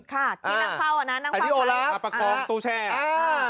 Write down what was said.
ค่ะอ่าที่นางภาวะนะนางวาดไตนางประครองกระหองอ่า